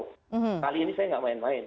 kali ini saya nggak main main